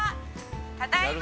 ただいま